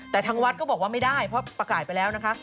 แต่ทางวัดก็บอกว่าไม่ได้เพราะประกาศไปแล้วนะคะ